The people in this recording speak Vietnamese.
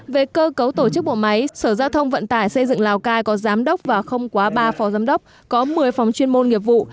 về cơ cấu tổ chức bộ máy sở giao thông vận tải xây dựng lào cai có giám đốc và không quá ba phó giám đốc có một mươi phòng chuyên môn nghiệp vụ